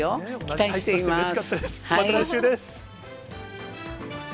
期待しています。